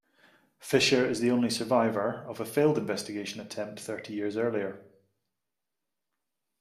Fischer is the only survivor of a failed investigation attempt thirty years earlier.